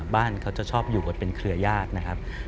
บ้านเขาจะชอบอยู่กันเป็นเครือญาตินะครับ